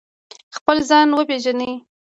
خپل ځان وپیژنئ